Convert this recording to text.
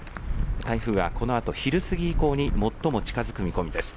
台風はこのあと昼過ぎ以降に最も近づく見込みです。